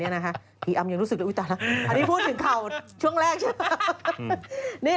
อันนี้อำยังรู้สึกเลยอุ๊ตายแล้วอันนี้พูดถึงข่าวช่วงแรกใช่ไหม